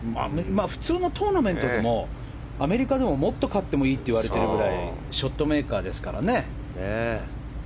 普通のトーナメントでもアメリカでももっと勝ってもいいっていわれてるくらいショットメーカーですからね。